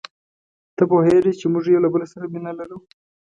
ته پوهیږې چي موږ یو له بل سره مینه لرو.